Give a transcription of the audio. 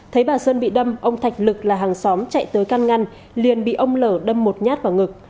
thấy bà sơn bị đâm ông thạch lực là hàng xóm chạy tới căn ngăn liền bị ông lở đâm một nhát vào ngực